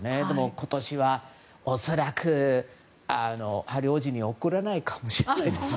今年はおそらくハリー王子に送れないかもしれないですよ。